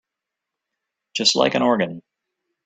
Just like an organ.